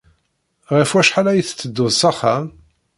Ɣef wacḥal ay tettedduḍ s axxam?